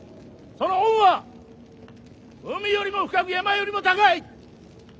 その恩は海よりも深く山よりも高い！